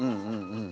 うん。